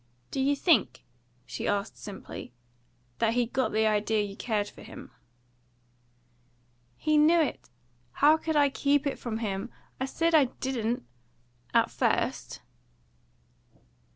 "Do you think," she asked simply, "that he got the idea you cared for him?" "He knew it! How could I keep it from him? I said I didn't at first!"